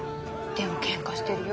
でもけんかしてるよ。